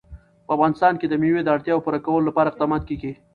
په افغانستان کې د مېوې د اړتیاوو پوره کولو لپاره اقدامات کېږي.